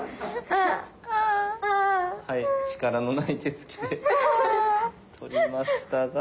はい力のない手つきで取りましたが。